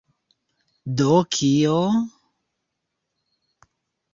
Do kio?!